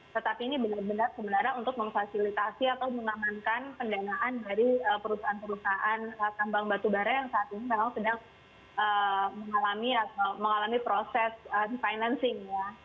tetapi ini benar benar sebenarnya untuk memfasilitasi atau mengamankan pendanaan dari perusahaan perusahaan tambang batu bara yang saat ini sedang mengalami proses financing